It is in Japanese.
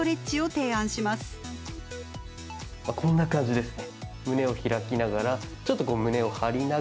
まあこんな感じですね。